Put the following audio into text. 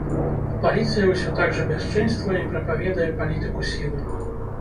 Паліцыя ўсё так жа бясчынствуе і прапаведуе палітыку сілы.